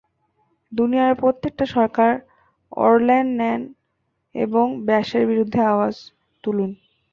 দুনিয়ার প্রত্যেকটা সরকার অরল্যান এবং ব্যাশের বিরুদ্ধে আওয়াজ তুলুন!